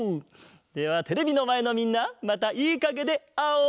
ではテレビのまえのみんなまたいいかげであおう！